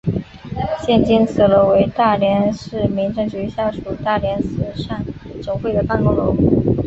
现今此楼为大连市民政局下属大连慈善总会的办公楼。